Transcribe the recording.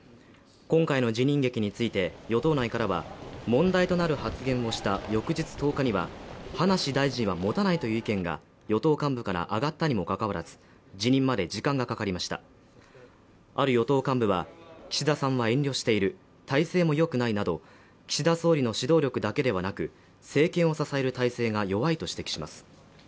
今回の辞任劇について与党内からは問題となる発言をした翌日１０日には葉梨大臣は持たないという意見が与党幹部から上がったにもかかわらず辞任まで時間がかかりましたある与党幹部は岸田さんは遠慮している体制も良くないなど岸田総理の指導力だけではなく政権を支える体制が弱いと指摘します